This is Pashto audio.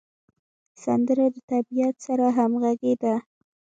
سندره د طبیعت سره همغږې ده